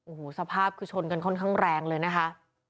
โอ้โหสภาพคือชนกันค่อนข้างแรงเลยนะคะ